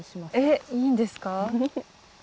えっいいんですか？